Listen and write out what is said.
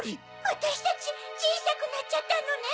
わたしたちちいさくなっちゃったのね！